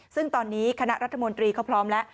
ซึ่งตอนนี้คณะรัฐมนตรีเขาพร้อมแล้ว